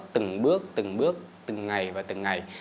từng bước từng bước từng ngày và từng ngày